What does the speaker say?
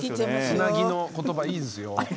つなぎの言葉いいですよ。